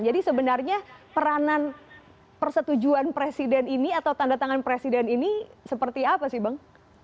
jadi sebenarnya peranan persetujuan presiden ini atau tanda tangan presiden ini seperti apa sih bang